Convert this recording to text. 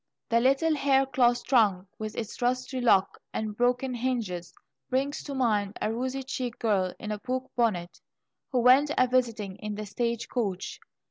The little hair cloth trunk, with its rusty lock and broken hinges, brings to mind a rosy cheeked girl in a poke bonnet, who went a visiting in the stage coach.